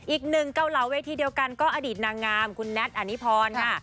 อีกหนึ่งกั้วเหลาท์เวทย์เดียวกันก็อดีตนางงามคุณแนนด์อนิพรค่ะ